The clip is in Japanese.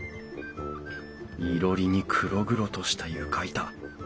いろりに黒々とした床板。